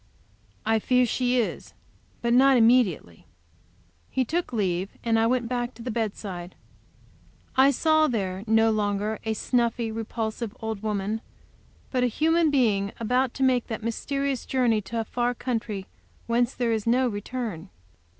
"I fear she is. But not immediately." He took leave, and I went back to the bedside. I saw there no longer a snuffy, repulsive old woman, but a human being about to make that mysterious journey a far country whence there is no return.